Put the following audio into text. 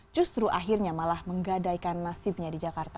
justru akhirnya malah menggadaikan nasibnya di jakarta